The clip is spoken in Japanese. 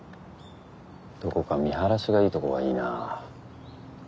どこか見晴らしがいいとこがいいな。